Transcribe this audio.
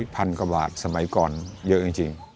พันกว่าบาทสมัยก่อนเยอะจริง